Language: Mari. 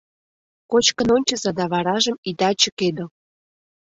Кочкын ончыза да варажым ида чыкедыл!